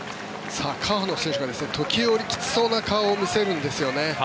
川野選手が時折きつそうな顔を見せるんですよね。